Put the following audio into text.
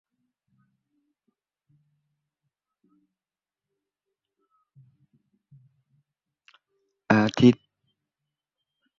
อาทิ ยอดธิดา วิบูลย์กิจ มิตรไมตรี สามดาว